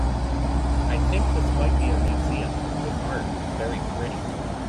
I think this might be a museum, with Art, very Pretty.